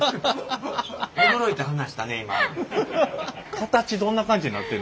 形どんな感じになってる？